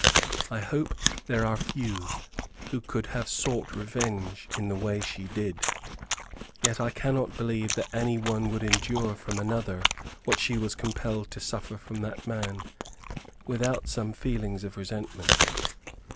I hope there are few who could have sought revenge in the way she did; yet I cannot believe that any one would endure from another what she was compelled to suffer from that man, without some feelings of resentment.